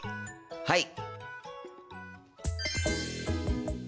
はい！